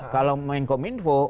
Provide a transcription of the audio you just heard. kalau mengkom info